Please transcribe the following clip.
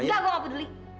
nggak gue nggak peduli